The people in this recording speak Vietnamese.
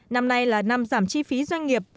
năm nay là năm giảm chi phí doanh nghiệp